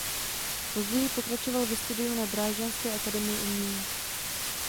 Později pokračoval ve studiu na Drážďanské akademii umění.